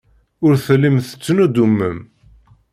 Ur tellim tettnuddumem.